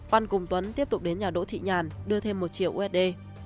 văn cùng tuấn tiếp tục đến nhà đỗ thị nhàn đưa thêm một triệu usd